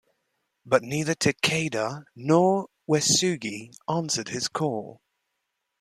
But neither Takeda nor Uesugi answered his call.